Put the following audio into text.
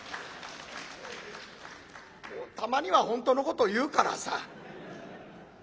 もうたまには本当のことを言うからさ。